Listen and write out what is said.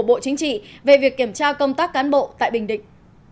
bộ chính trị về việc kiểm tra công tác cán bộ tại bình định